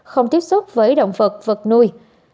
không tiếp xúc với động vật vật nuôi